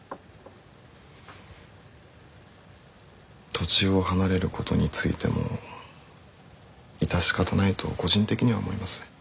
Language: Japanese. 土地を離れることについても致し方ないと個人的には思います。